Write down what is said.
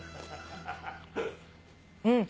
うん。